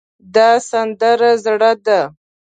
دا سندره زړه ده